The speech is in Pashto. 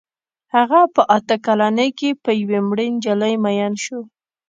هغه په اته کلنۍ کې په یوې مړې نجلۍ مین شو